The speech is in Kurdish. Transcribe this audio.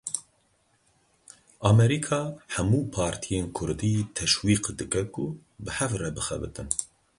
Amerîka hemû partiyên kurdî teşwîq dike ku bi hev re bixebitin.